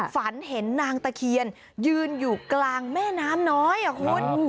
ฝันเห็นนางตะเคียนยืนอยู่กลางแม่น้ำน้อยอ่ะคุณ